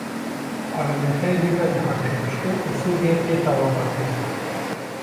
Perlemanterê Libnanî hate kuştin û Sûriyê tê tawanbar kirin